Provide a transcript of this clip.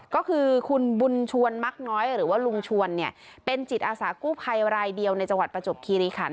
ก็คือคุณบุญชวนมักน้อยหรือว่าลุงชวนเป็นจิตอาสากู้ภัยรายเดียวในจังหวัดประจบคีรีขัน